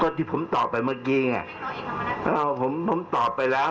ที่ผมตอบไปเมื่อกี้ไงอ่าผมผมตอบไปแล้ว